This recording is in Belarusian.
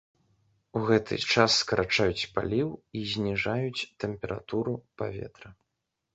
У гэты час скарачаюць паліў і зніжаюць тэмпературу паветра.